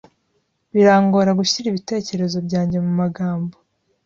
Birangora gushyira ibitekerezo byanjye mumagambo.